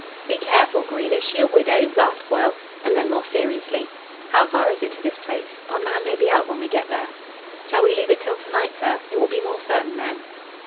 "Be careful, Green. Is she a widow?" laughed Foyle. And then, more seriously: "How far is it to this place? Our man may be out when we get there." "Shall we leave it till to night, sir? It will be more certain then."